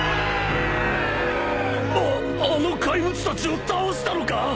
ああの怪物たちを倒したのか！？